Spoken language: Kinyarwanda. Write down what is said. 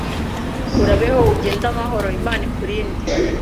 urabeho, ugende amahoro, Imana ikurinde